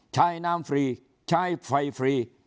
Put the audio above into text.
ใช้น้ำฟรีใช้ไฟฟรี